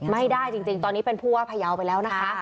ไม่ได้จริงตอนนี้เป็นผู้ว่าพยาวไปแล้วนะคะ